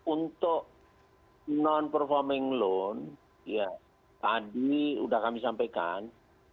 untuk non performing loan ya tadi sudah kami sampaikan